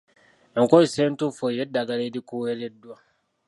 Enkozesa entuufu ey'eddagala erikuweereddwa.